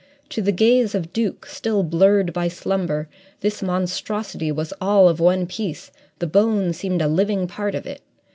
To the gaze of Duke, still blurred by slumber, this monstrosity was all of one piece the bone seemed a living part of it.